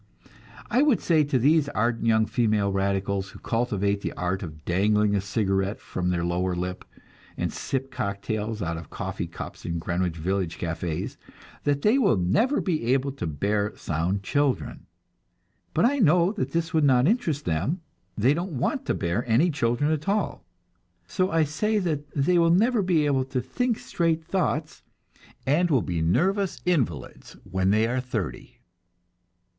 I would say to these ardent young female radicals, who cultivate the art of dangling a cigarette from their lower lip, and sip cocktails out of coffee cups in Greenwich Village cafés, that they will never be able to bear sound children; but I know that this would not interest them they don't want to bear any children at all. So I say that they will never be able to think straight thoughts, and will be nervous invalids when they are thirty.